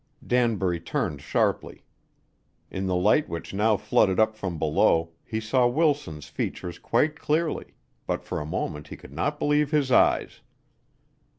Danbury turned sharply. In the light which now flooded up from below, he saw Wilson's features quite clearly, but for a moment he could not believe his eyes.